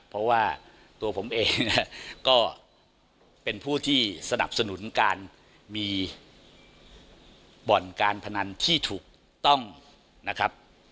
เพราะว่าตัวผมเองเนี่ยก็เป็นผู้ที่สนับสนุนการมีบ่อนการพนันที่ถูกต้องนะครับ